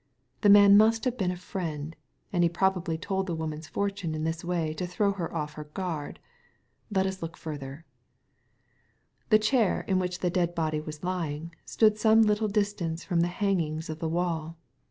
The man must have been a friend, and he probably told the woman's fortune in this way to throw her off her guard. Let us look further," The chair in which the dead body was lying, stood some little distance from the hangings of the wall.